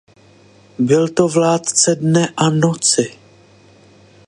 Byl to vládce dne a noci.